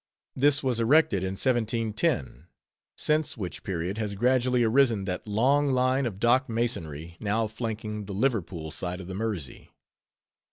This was erected in 1710, since which period has gradually arisen that long line of dock masonry, now flanking the Liverpool side of the Mersey.